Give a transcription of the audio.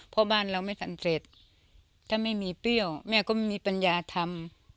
เพราะบ้านเราไม่สันเสร็จถ้าไม่มีเปรี้ยวแม่ก็ไม่มีปัญญาทำ